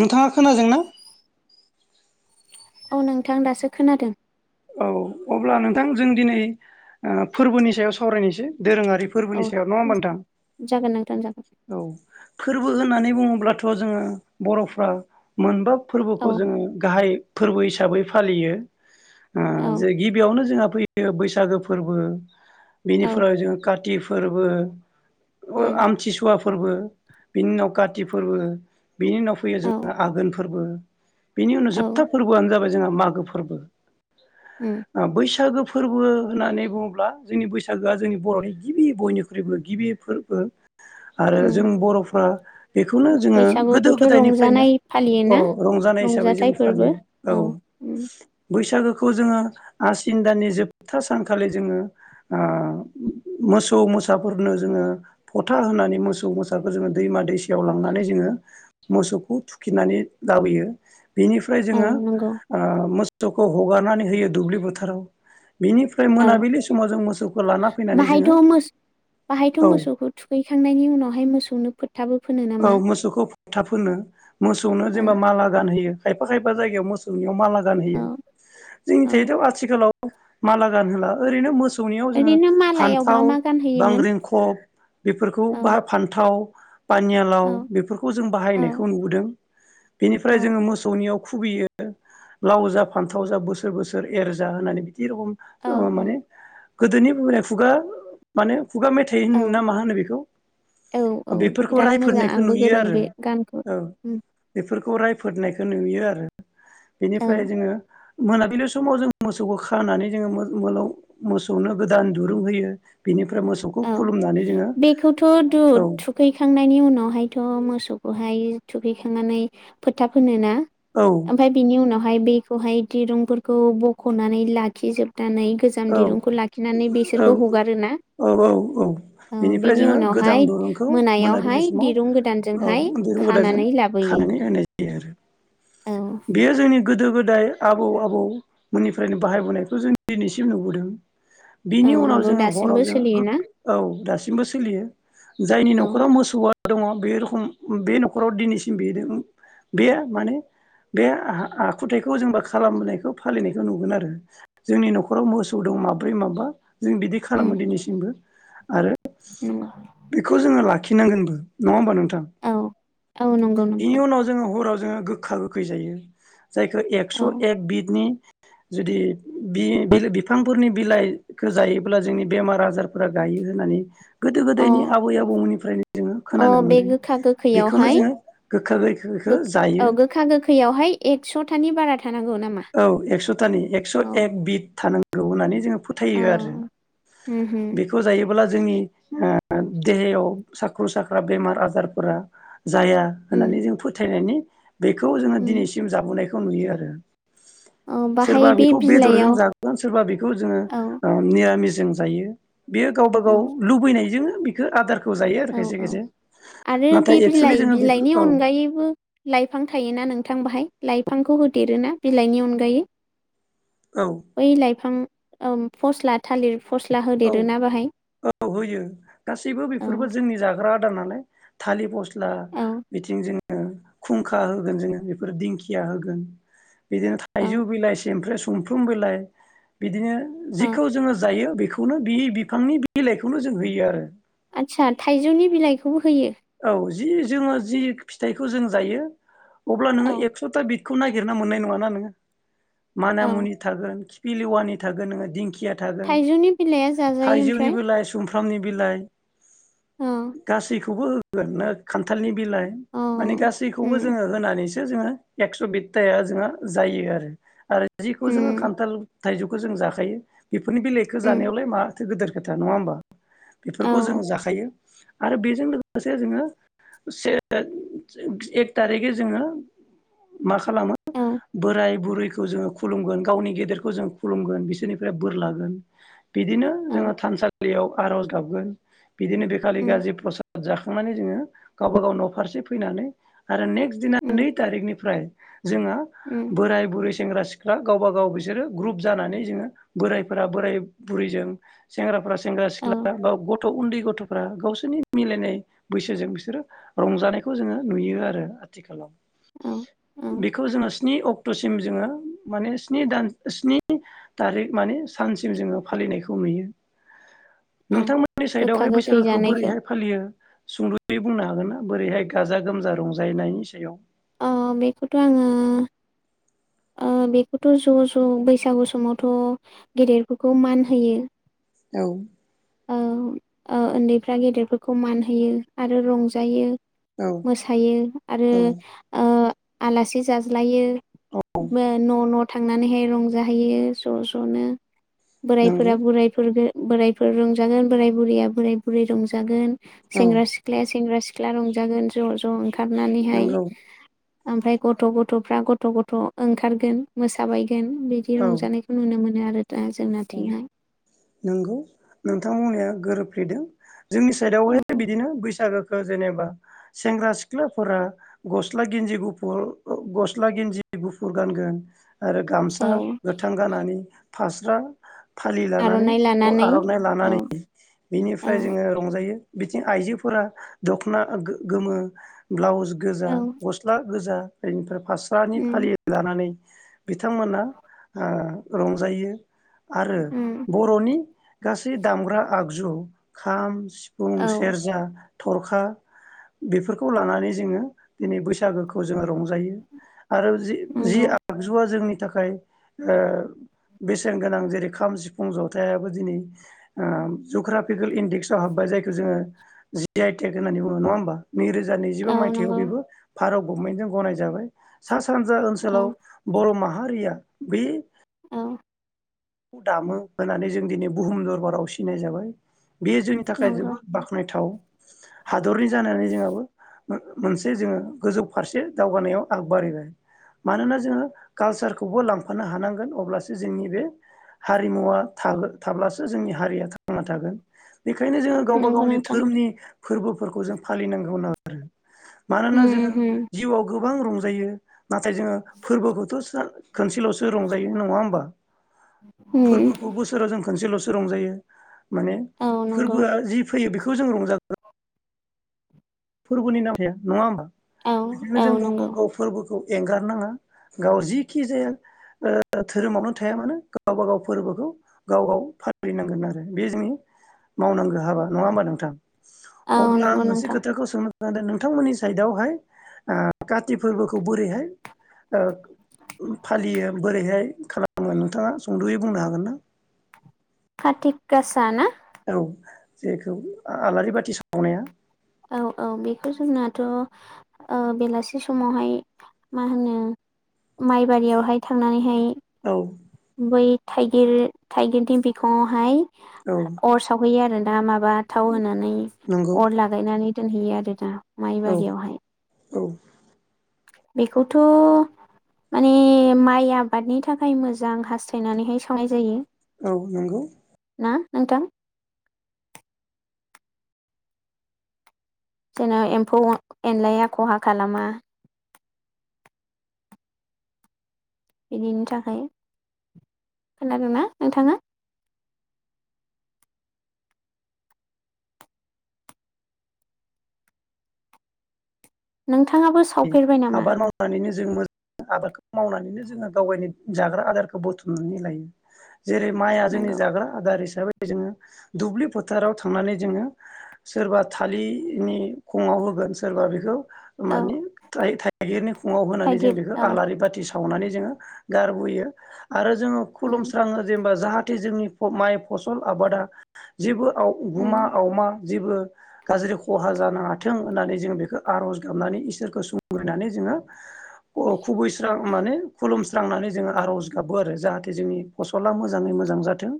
नोंथांङा खोनाजोंना? औ नोंथां दासो खोनादों। औ अब्ला नोंथां जों दिनै ओ फोरबोनि सायाव सावरायनोसै दोरोंङारि फोरबोनि औ सा याद नंबा नथां? जागोन नोंथां जागोन औ फोरबो ओननानै बुंङोब्लाथ' जोंङो बर'फ्रा मोनबा औ फोरबोखौ जोंङो गाहाय फोरबो हिसा साबै फालियो। ओ औ जे गिबियावनो जोंहा फैयो बैस सागो फोरबो औ बेनिफ्राय जोंङो काति फोरबो अ उम आमथि सुआ फोरबो बिनि उनाव काति फोरबो बिनि उनाव फैयो औ जोंङो आघोन फोरबो बेनि उनाव औ जोबथा फोरबोआनो जाबाय जोंहा मागो फोरबो। उम ओ बैसागो फोरबो बो होननानै बुंङोब्ला जोंनि बैसागोआ जोंनि बर'नि गिबि बयनिख्रुइबो गिबि फोरबो। आरो उम जों बर'फ्रा बेखौनो जोंङो गोदो बैसागुखौथ' गोदायनिफ्रायनो रंजानाय औ फालियोना रंजानाय हिसाबै जों रंजाथाइ फोरबो फालियो औ उम बैसागो बेखौ जोङो आसिन दाननि जोबथा सानखालि जोङो ओ मोसौ मोसाफोरनो जोङो फथा होनानै मोसौ मोसाखौ जोङो दैमा दैसायाव लांनानै जोङो मोसौखौ थुखिनानै लाबोयो। बेनिफ्राय औ जोङो नंगौ ओ [unintelligible] हगारनानै होयो दुब्लि फोथाराव। औ लाना फैनानै जोङो बाहायथ' बाहायथ' औ मोसौखौ थुखैखांनायनि उनावहाय मोसौनो फोथाबो फोनो नामा? फोथा फोनो मोसौनो औ जेनेबा माला गानहैयो खायफा खायफा जायगायाव मोसौनियाव माला गान औ होयो जोंनि औ थायोथ' आथिखालाव माला गान होला ओरै मोस सौनियाव जोङो ओरैनो मालायाव मा फान्थाव मा गानहोयोमोन बांग्रिंखब बेफोरखौ औ बाहाय फान्थाव पानियालाव औ बेफोरखौ जों औ बाहायनायखौ नुबोदों। औ बेनिफ्राय जोङो मोसौनियाव खुबैयो लाव जा फान्थाव जा बोसोर बोसोर एर जा होननानै जेरखम माने गोदोनि बुंनाय खुगा माने खुगा मेथाइ औ होनो मा होनो बेखौ औ औ बेफोरखौ बिराद मोजां रायफोदनायखौ आंबो नुयो गोरों बे गानखौ रायफोरनायखौ नुयो आरो औ बेनिफ्राय जोङो मोनाबिलि समाव जों मोसौखौ खानानै जों मो-मोनाव मोसौनो गोदान दुरुं होयो बेनिफ्राय मोसौखौ औ खुलुमनानै जोङो बेखौथ' दु औ थुखैखांनायनि उनाव बेहायथ' मोसौखौहाय थुखैखांनानै फोथा फोनोना औ ओमफ्राय बिनि उनाव हाय बेखौहाय दिरुंफोरखौ बख'नानै लाखिजोब नानै गोजाम औ दिरुंखौ लाखिनानै औ बेसोरखौ हगारोना? औ औ औ औ बेनिफ्राय बिनि जोङो उनावहाय गोदान दुरुंखौ मोनायावहाय मोनाबिलि समाव दिरुं गोदानजोंहाय औ दुरुं गोदानजों खानानै लाबोयो खानानै होनाय जायो आरो। औ बेयो जोंनि गोदो गोद गोदाय आबौ आबौमोननिफ्रायनो बाहायबोनायखौ जों दिनैसिम नुबोदों। औ बिनि उनाव नंगौ जोङो दासिमबो हराव जोङो गो सोलियोना औ दासिम दासिमबो सोलियो। जायनि औ न'खराव मोसौआ दङ बे रखम बे न'खराव दिनैसिम बे बे उम बे माने बे आ-आखुथायखौ जोंबा खालामनायखौ फालिनायखौ नुगोन आरो जोंनि न'खराव मोसौ दं माब्रै माबा जों बिदि खालामो दिनैसिमबो आरो नुङा बेखौ जोङो लाखिनांगोनबो नङा होमबा नोंथां? औ औ नंगौ बिनि नोंथां उनाव जोङो हराव ज जों खै जायो जायखौ औ एक्स' एक बिदनि जुदि बि बेलेग बिफांफोरनि बिलाइखौ जायोब्ला जोंनि बेमार आजारफोरा गायो होननानै गोदो अ गोदायनि आबै आबौमोननिफ्रायनो जोङो अ खोनानो बे मोन्दों गोखा बेखौनो गोखैयावहाय जोङो गोखा गोखैखो जायो खैयावहाय एकस'थानि बारा थानांगौ नामा? औ एक्स'थानि एक्स' औ एक बिद थानां लु होननानै जोङो फोथायो आरो उम होम बेखौ जायो अब्ला जोंनि देहायाव साख्रु साख्रा बेमार आजारफोरा जाया उम होननानै जों फोथायनायनि बेखौ जोङो उम दिनैसिम जाबोनायखौ खौ नुयो आरो। औ बाहाय सोरबा बे बेखौ बेदरजों बिलाइयाव जागोन सोरबा बेखौ जोङो औ निरामिस जों जायो। बेयो गावबा गाव औ लुबैनायजों बेखौ आदार औ औ आरो बे एक्सुलि बिलाइ जोङो बेफोर बिलाइनि औ अनगायैबो लाइफां थायोना ना नों नोंथां बाहाय लाइफांखौ होदेरोना बिलाइनि अनगायै? औ बै लाइफां फस्ला थालिर फस्ला औ होदेरोना बाहाय औ होयो गासैबो औ बेफोरबो जोंनि जा ग्रा आदार नालाय थालिर पस्ल ब्ला औ बिथिंजों खुंखा होगोन जोङो बेफोर दिंखिया होगोन बिदिनो औ थाइजौ बिलाइ समफ्र सुमफ्रुम बिलाइ बिदिनो औ जिखौ जोङो जायो बेखौ खौनो बि बिफांनि बिलाइखौनो जों होयो आरो। आदसा थाइजौनि बिलाइखौबो होयो औ जि जोङो जि फिथाइखौ जों जायो अब्ला नोङो औ एकस था बि खौ नायगिरना मोननाय नङा ना नोङो माना औ मुनि थागोन खि पिलिवानि थागोन नोङ दिंखि थागोन थाइजौनि बिलाइआ जाजायो थाइजौनि ओमफ्राय बिलाइ सुमफ्रामनि बिलाइ औ गासिखौ। थो [unintelligible] गोनो ख [unintelligible] खान्थालनि बिलाइ औ माने गासैखौबो उम जोङो होनानैसो [unintelligible] जिखौ जोङो उम खान्थाल थाइजौखौ जों जाखायो बेफोरनि बिलाइखौ उम जानायावलाय मा। गोदोरो खोथा नङा होमबा। बेफोरखौ जों औ जाखायो। आरो बेजों। से जोङो से थारिख एक थारिखै जोङो माखा खालामो औ बोराय बुरै खौ जोङो खुुमगोन गावनि गेदेरखौ जों खुुलुमगोन बिसोरनिफ्राय बोर लागोन बिदिनो औ जोङो थानसालियाव आर'ज गाबगोन बिदिनो बेखालि उम गाज्रि प्रसाद जाखांनानै जोङो गावबा गाव न फारसे फैनानै आरो नेक्स्ट दिना नै उम थारिखनिफ्राय जोङो उम बोराय बुरै सेंग्रा सिख्ला गावबा गाव बिसोरो ग्रुप जानानै जोङो बोरायफोरा बोराय बुरैजों सेंग्राफोरा सेंग्रा औ सिख्ला बा ग [unintelligible] उन्दै गथ'फोरा गावसोरनि [unintelligible] मिलायनाय बैसोजों बिसोरो रंजानायखौ जोङो नुयो आरो आथिखालाव औ औ बेखौ जोङो स्नि अक्ट'सिम जोङो माने स्नि दान स्नि तारिख माने सानसिम जोङो फालिनायखौ नुयो। औ नोंथांमोननि गोखा साइडआवहाय गोखै बैसागोखौ जानायखौ बोरैहाय [unintelligible] सुंद'यै बुंनो हागोन ना बोरैहाय गाजा गोमजा रंजायनायनि सायाव! ओ बेखौथ' आङो ओ बेखौथ' ज' ज' बैसागु समावथ' गेदेरफोरखौ मान होयो। औ। ओ ओ उन्दैफ्रा गेदेरफोरखौ मान होयो आरो रंजायो। औ मोसायो आरो औ ओ [unintelligible] आलासि जाज्लायो। मो न' नद [unintelligible] थांनानैहाय रंजाहैयो ज' ज'नो। नंगौ बोरायफोरा बोरायफोरदो [unintelligible] बोरै [unintelligible] फोर रंजागोन बोराय बुरैया बोराय बुरै रंजागोन औ सेंग्रा सिख्लाया सेंग्रा सिख्ला रंजागोन ज ज ओंखारनानैहाय नंगौ ओमफ्राय गथ गथफ्रा गथ गथ ओंखारगोन मोसाबाय जेन बिदि औ रंजानायखौ नुनो मोनो आरो दं औ जोंनाथिंहाय [unintelligible] नंगौ नोंथां बुंनाया गोरोबफ्लेदों जोंनि साइडआवहाय बिदिनो बैसागो जेनेबा सेंग्रा सिख्लाफोरा गस्ला गिन्जि गुफुर गस्ला गिन्जि गुफुर गानगोन आरो औ गामसा गाननानै फास्रा फालि लानानै आर'नाइ लानानै आरनाइ औ लानानै औ बिनिफ्राय जोंङो रंजायो बिथिं आइजोफोरा दखना गोमो ब्लाउस गोजा औ गस्ला गोजा ऐनथाब फास्रानि उम फालि लानानै बिथांमोना रंजायो आरो उम बरनि गासै दामग्रा आगु ज खाम सि सिफुं औ सेरजा थरखा बेफोरखौ लानानै जोंङो दिनै बैसागोखौ जोंङो रंजायो आरो जि जि नंगौ आगजुआ जोंनि थाखाय ओ बेसेन गोनां जे रै खाम सिफुं जथायाबो दिनै ओम जुग्राफिकेल इन्डेक्सआव हाबबाय जायखौ जोंङो जि आइ टेक होन्नानै बुंङो नङा होमबा नैरोजा नैजिबा औ मायथाइयाव नंगौ बेबो भार गभमेन्टजों गनाय जाबाय सा सानजा औ ओनसोलाव बर माहा हारिया बे औ खौ दामो होनानै जों दिनै बुहुम दरबाराव सिनाय जाबाय बेयो जोंनि थाखाय नंगौ जोबोद बाख्नायथाव हादरनि जानानै जोंहाबो ओ मोनसे जोङो गोजौ फारसे दावगानायाव आग बारिबाय मानोना जोङो कालसारखौबो लांफानो हानांगोन अब्लासो जोंनि बे हारिमुवा थागो थाब्लासो जोंनि हारिया थांना थागोन। [inaudible] बेखायनो जोङो गावबा नंगौ गावनि नोंथां धोरोमनि फोरबोफोरखौ जों फालिनांगौ नो आरो मानोना जोङो उम उम जिउआव गोबां रं जायो नाथाय जोङो फोरबोखौथ' स्रा खोनसेल'सो रंजायो नङा होमबा? उम फोरबोखौ बोसोराव जों खोनसेलसो रंजायो। माने औ नंगौ फोरबोआ जि फैयो बिख खौ जों रंजा [unintelligible] फोरबोनि नाम थाया नङा होमबा? औ औ नंगौ। खौ एंगारनाङा गाव जिखि जाया ओ धोरोमावनो थाया मानो गावबा गाव फोरबोखौ गाव गाव फालिनांगोन आरो बे जोंनि मावनांगो हाबा नङा होमबा नोंथां? औ अब्ला नंगौ मोनसे नोंथां खोथ [unintelligible] नोंथांमोननि साइदावहाय ओ काति फोरबोखौ बोरैहाय ओ फालियो बोरैहाय खालामो नोंथाङा सुंदयै बुंनो हागोन ना? खाथिक गासाना? औ जेखौ आ आलारि बाथि सावनाया औ औ बेखौ जोंनाथ' ओ बेलासे समावहाय मा होनो माइबारियावहाय थांनानैहाय औ बै थाइगिर थाइगिरथिं बिखङावहाय औ अर सावहैयो आरो दा माब बा थाव होनानै नंगौ अर लाग दानि दोनहैयो आरो ना औ माइबारियावहाय औ बेखौथ' माने माइ आबादनि थाखाय मोजां हास्थायनानैहाय सावनाय जायो। औ नंगौ। ना नोंथां? जेनै एम्फौ ओ एनलाया खहा खालामा। बिदिनि थाखाय खोनादों ना नोंथाङा? नोंथ थांङाबो सावफेरबाय नामा? आबाद मावनानैनो जों मोज आबादखौ मावनानैनो जोङो गावगायनि जाग्रा आदारखौ बुथुमनानै लायो। जेरै माइआ जोंनि नंगौ जाग्रा आदार हिसाबै जोङो दुब्लि फोथाराव थांनानै जोङो सोरबा थालि नि खङाव होगोन सोरबा बेखौ औ माने थाइ थाइगिरनि खङाव होनानै जों थाइगिर बेखौ औ आलारि बाथि साव सावनानै जोङो गारबोयो। आरो जोङो उम खुलुमस्राङो जेनेबा जाहा थे जोंनि माइ फसल आबादा जेबो औ उम गुमा आवमा। जेबो गाज्रि खहा जानो हाथों होननानै जों बेखौ आर'ज गाबनानै इसोरखौ [unintelligible] नानै जोङो। अ खुबै स्रां। माने खुलुमस्रांनानै जोङो आर'ज गाबो आरो जाहाथे जोंनि फसला मोजाङै मोजां जाथों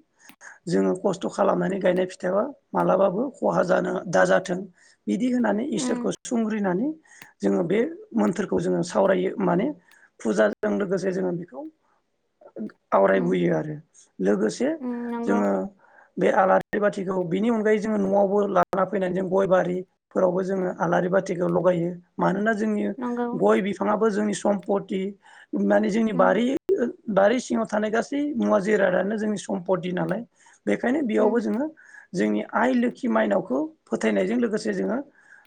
जोङो खस्थ' खालामनानै गायनाय फिथाया मालाबाबो खहा जानो दाजाथों बिदि होननानै उम इसोरखौ सुंग्रिनानै जोङो बे मोन्थोरखौ जोङो सावरायो माने फुजाजों लोगोसे जोङो बेखौ उम आवरायबोयो आरो लोगोसे उम नंगौ जोङो। बे आलारि बाथिखौ बिनि अनगायै जोङो न'आवबो लाना फैनानै जों गय बारिफोरावबो जोङो आलारि बाथिखौ लगायो मानोना जोंनि नंगौ गय बिफाङाबो जोंनि। सम्पटि। माने जोंनि उम बारि बारि सिङाव थानाय गासै मुवा जिरादानो जोंनि सम्पति नालाय। बेखायनो उम बेयावबो जोङो। जोंनि आइ लोखि माइनावखौ फोथायनायजों लोगोसे जोङो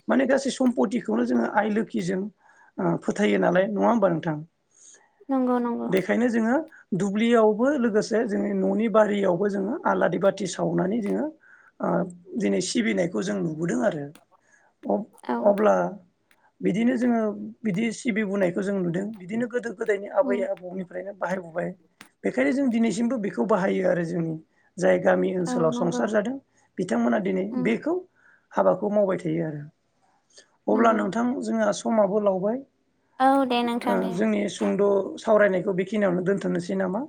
माने गासै सम्पतिखौनो जोङो आइ लो खि जों ओ फोथायो नालाय नङा होमबा नोंथां। नंगौ नंगौ बेखायनो जोङो। दुब्लियावबो लोगोसे जोंनि न'नि बारियावबो जोङो आलारि बाथि सावनानै जोङो ओ दिनै सिबिनायखौ जों नुबोदों आरो। अब औ अब्ला। बिदिनो जोङो बिदि सिबिबुनायखो जों नुदों बिदिनो गोदो गोदायनि आबै उम आबौनिफ्रायनो। बाहायबुबाय बेखायनो जों दिनैसिमबो बिखौ बाहायो आरो जों। जाय गामि औ ओनसोलाव नंगौ संसार जादों बिथांमोना दिनै उम बेखौ। हाबाखौ मावबाय थायो आरो। अब्ला नंगौ। नोंथां जोंहा समाबो लावबाय। औ दे आ नोंथां दे जोंनि सुंद। सावरायनायखौ बेखिनियावनो दोनथनोसै नामा।